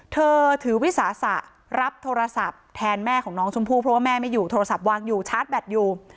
เธอถือวิสาสะรับโทรศัพท์แทนแม่ของน้องชมพู่เพราะว่าแม่ไม่อยู่โทรศัพท์วางอยู่ชาร์จแบตอยู่